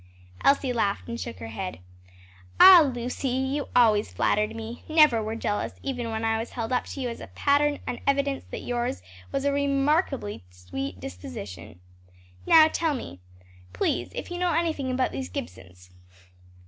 Elsie laughed and shook her head, "Ah, Lucy, you always flattered me; never were jealous even when I was held up to you as a pattern an evidence that yours was a remarkably sweet disposition. Now, tell me, please, if you know anything about these Gibsons?"